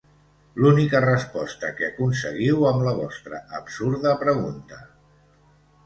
L'única resposta que aconseguiu amb la vostra absurda pregunta.